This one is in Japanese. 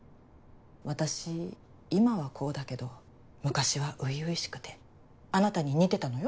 私今はこうだけど昔は初々しくてあなたに似てたのよ。